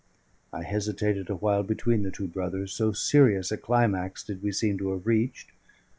I hesitated a while between the two brothers, so serious a climax did we seem to have reached.